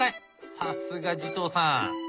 さすが慈瞳さん。